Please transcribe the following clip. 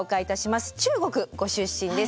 中国ご出身です。